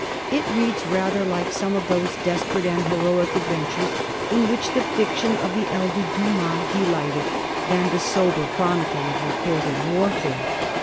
It reads rather like some of those desperate and heroic adventures in which the fiction of the elder Dumas delighted than the sober chronicle of recorded warfare.